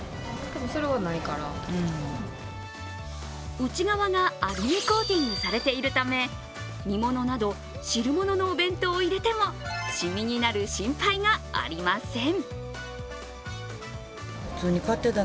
内側がアルミコーティングされているため煮物など汁物のお弁当を入れてもしみになる心配がありません。